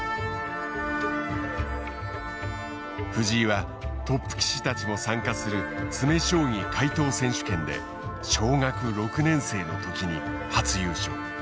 藤井はトップ棋士たちも参加する詰将棋解答選手権で小学６年生の時に初優勝。